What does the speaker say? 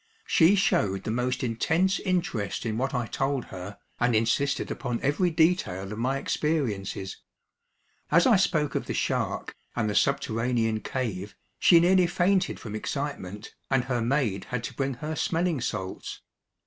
She showed the most intense interest in what I told her, and insisted upon every detail of my experiences. As I spoke of the shark, and the subterranean cave, she nearly fainted from excitement, and her maid had to bring her smelling salts.